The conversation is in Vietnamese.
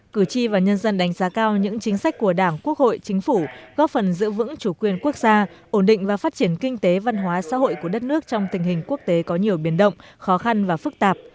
cử tri và nhân dân đánh giá cao những chính sách của đảng quốc hội chính phủ góp phần giữ vững chủ quyền quốc gia ổn định và phát triển kinh tế văn hóa xã hội của đất nước trong tình hình quốc tế có nhiều biển động khó khăn và phức tạp